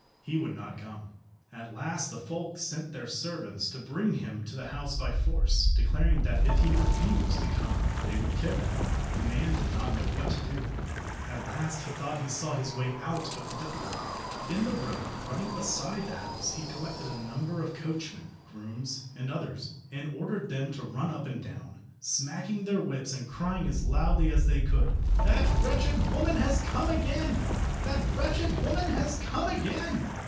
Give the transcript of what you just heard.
He would not come. At last the folk sent their servants to bring him to the house by force, declaring that if he refused to come they would kill him. The man did not know what to do; at last he thought he saw his way out of the difficulty. In the road running beside the house he collected a number of coachmen, grooms, and others, and ordered them to run up and down, smacking their whips and crying as loudly as they could— "That wretched woman has come again! that wretched woman has come again!"